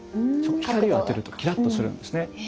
光を当てるとキラっとするんですね。